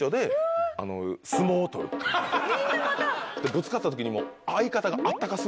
ぶつかった時に相方が。